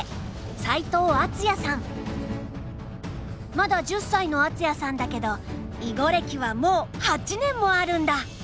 まだ１０歳の敦也さんだけど囲碁歴はもう８年もあるんだ。